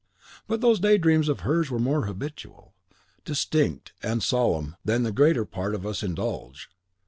But those day dreams of hers were more habitual, distinct, and solemn than the greater part of us indulge.